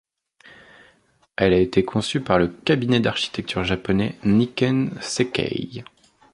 Elle a été conçue par le cabinet d'architecture japonais Nikken Sekkei.